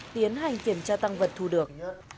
tiến hành kiểm tra tăng vật thu được